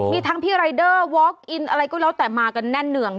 มีทั้งพี่รายเดอร์วอคอินอะไรก็แล้วแต่มากันแน่นเนือง